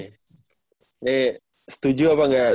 ini setuju apa nggak